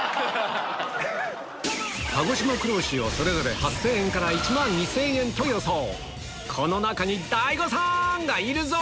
鹿児島黒牛をそれぞれ８０００円から１万２０００円と予想